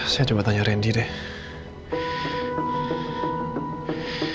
saya coba tanya randy deh